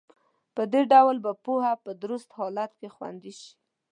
په دې ډول به پوهه په درست حالت کې خوندي شي.